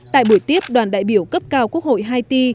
tại buổi tiếp đoàn đại biểu cấp cao quốc hội haiti